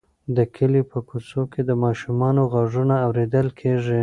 د کلي په کوڅو کې د ماشومانو غږونه اورېدل کېږي.